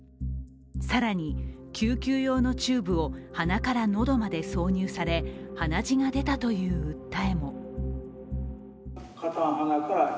更に、救急用のチューブを鼻から喉まで挿入され鼻血が出たという訴えも。